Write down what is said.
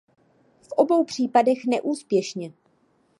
V obou případech neúspěšně.